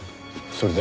それで？